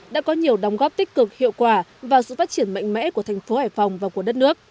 đã có nhiều đóng góp tích cực hiệu quả vào sự phát triển mạnh mẽ của thành phố hải phòng và của đất nước